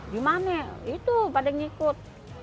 gimana itu pada ngikut